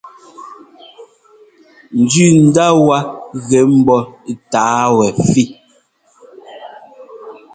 Njʉndá wá ŋgɛ́ mbɔ́ tǎa wɛfí.